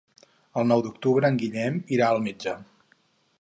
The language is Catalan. El nou d'octubre en Guillem irà al metge.